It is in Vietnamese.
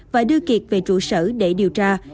và đưa kiệt về trụ sở để điều tra